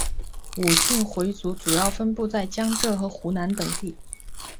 伍姓回族主要分布在江浙和湖南等地。